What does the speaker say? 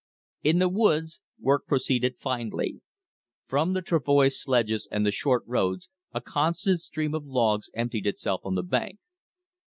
In the woods the work proceeded finely. From the travoy sledges and the short roads a constant stream of logs emptied itself on the bank.